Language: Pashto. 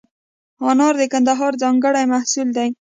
انار د کندهار ځانګړی محصول دی.